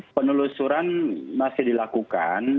penelusuran masih dilakukan